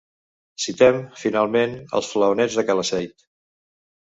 Citem, finalment, els flaonets de Calaceit.